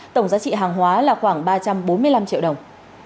tổng giá trị hàng hóa là khoảng ba trăm bốn mươi năm triệu đồng